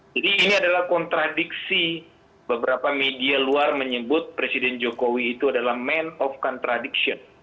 jadi ini adalah kontradiksi beberapa media luar menyebut presiden jokowi itu adalah man of contradiction